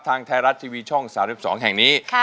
ทางไทยรัฐทีวีช่อง๓๒แห่งนี้